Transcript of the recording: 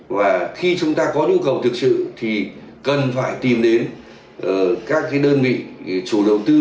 và khi chúng ta có nhu cầu thực sự thì cần phải tìm đến các đơn vị chủ đầu tư